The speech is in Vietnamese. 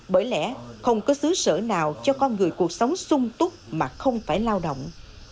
bởi lẽ không có xứ sở nào cho con người cuộc sống sung túc mà không phải lao động